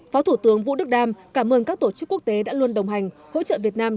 phó thủ tướng vũ đức đam cảm ơn các tổ chức quốc tế đã luôn đồng hành hỗ trợ việt nam